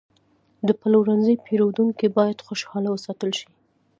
د پلورنځي پیرودونکي باید خوشحاله وساتل شي.